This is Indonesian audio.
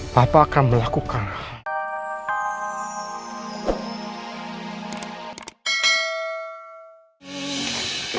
papa akan melakukan hal